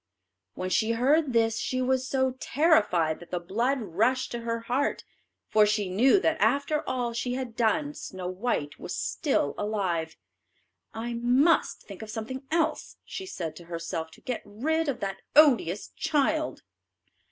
When she heard this she was so terrified that the blood rushed to her heart, for she knew that after all she had done Snow white was still alive. "I must think of something else," she said to herself, "to get rid of that odious child."